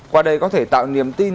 qua đây có thể tạo niềm tin